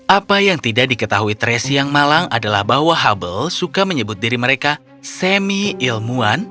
apa yang tidak diketahui tracy yang malang adalah bahwa hubble suka menyebut diri mereka semi ilmuwan